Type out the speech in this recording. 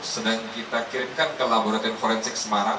sedang kita kirimkan ke laboratorium forensik semarang